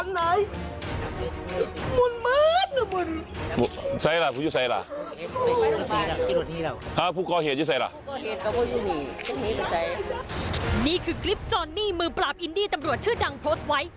นี่คือคลิปจอนนี่มือปราบอินดี้ตำรวจชื่อดังโพสต์ไว้